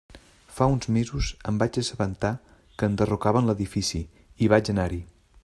Fa uns mesos em vaig assabentar que enderrocaven l'edifici i vaig anar-hi.